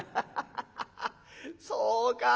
「ハハハハそうか。